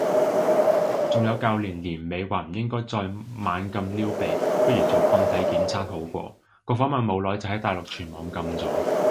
仲有舊年年尾話唔應該再猛咁撩鼻，不如做抗體檢測好過，個訪問冇耐就喺大陸全網禁咗